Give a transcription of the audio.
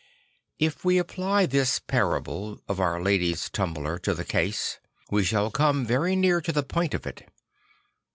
If we apply this parable of Our Lady's Tumbler to the case, we shall come very near to the point of it.